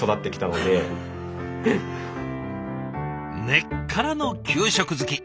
根っからの給食好き。